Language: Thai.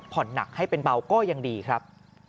หนักให้เป็นเบาก็ยังดีครับ